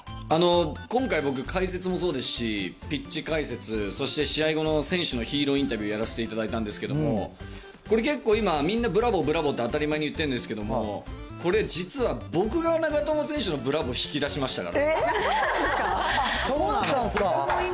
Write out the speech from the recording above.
今回、僕、解説もそうですし、ピッチ解説、そして試合後の選手のヒーローインタビューやらせていただいたんですけど、これ結構、今、みんなブラボー、ブラボーって当たり前に言ってるんですけど、これ、実は僕が長友選手のブラボー引き出しましたから。